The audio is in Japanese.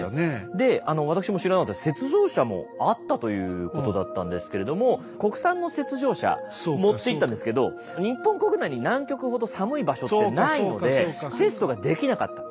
で私も知らなかった雪上車もあったということだったんですけれども国産の雪上車持っていったんですけど日本国内に南極ほど寒い場所ってないのでテストができなかった。